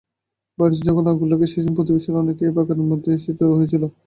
বাড়িতে যখন আগুন লাগে সে সময়ে প্রতিবেশীরা অনেকেই এই বাগানের মধ্যে এসে জড়ো হয়েছিল।